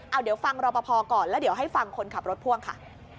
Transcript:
เอาเดี๋ยวฟังรอปภก่อนแล้วเดี๋ยวให้ฟังคนขับรถพ่วงค่ะ